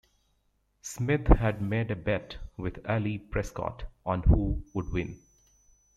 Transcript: Smith had made a bet with Allie Prescott on who would win.